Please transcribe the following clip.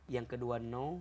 yang kedua no